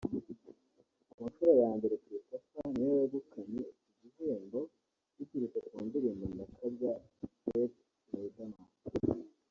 Ku nshuro ya mbere Christopher niwe wegukanye iki gihembo biturutse ku ndirimbo Ndakabya ft Riderman